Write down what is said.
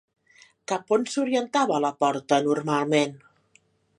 Cap on s'orientava la porta normalment?